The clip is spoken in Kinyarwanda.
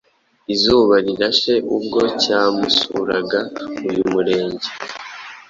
izuba Rirashe ubwo cyamusuraga uyu murenge